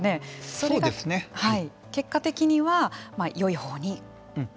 それが結果的には、よい方に。